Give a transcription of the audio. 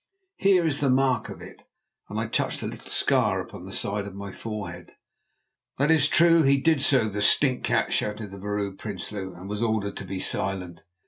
Here is the mark of it," and I touched the little scar upon the side of my forehead. "That is true; he did so, the stinkcat," shouted the Vrouw Prinsloo, and was ordered to be silent.